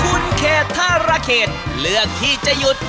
คุณเขตธารเขตเลือกที่จะหยุด